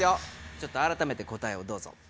ちょっとあらためて答えをどうぞ。